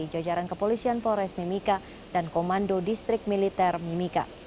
jajaran kepolisian polres mimika dan komando distrik militer mimika